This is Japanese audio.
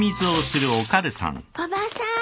おばさん。